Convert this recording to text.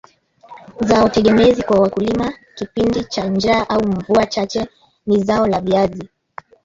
zao tegemezi kwa wakulima kipindi cha njaa au mvua chache ni zao la viazi